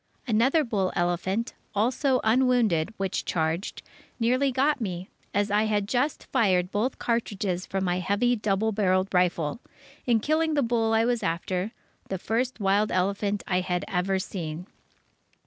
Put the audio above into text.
Another bull elephant, also unwounded, which charged, nearly got me, as I had just fired both cartridges from my heavy double barreled rifle, in killing the bull I was after the first wild elephant I had ever seen.